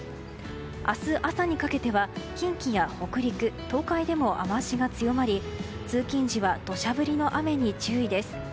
明日朝にかけては近畿や北陸・東海でも雨脚が強まり通勤時は土砂降りの雨に注意です。